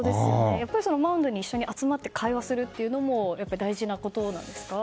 やっぱりマウンドに一緒に集まって会話するのも大事なことなんですか。